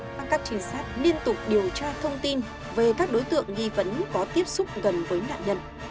mà các trinh sát liên tục điều tra thông tin về các đối tượng nghi vấn có tiếp xúc gần với nạn nhân